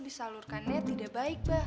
disalurkannya tidak baik bah